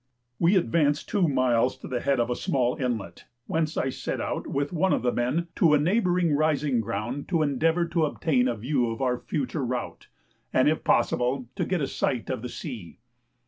We advanced two miles to the head of a small inlet, whence I set out with one of the men to a neighbouring rising ground to endeavour to obtain a view of our future route, and, if possible, to get a sight of the sea.